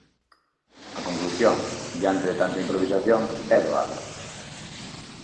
A conclusión, diante de tanta improvisación, é doada.